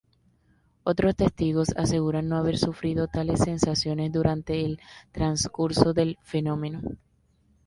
Otros testigos aseguran no haber sufrido tales sensaciones durante el transcurso del fenómeno.